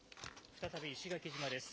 再び石垣島です。